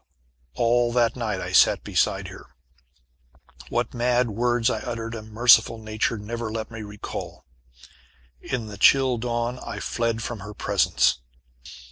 All that night I sat beside her. What mad words I uttered a merciful nature never let me recall. In the chill dawn I fled from her presence.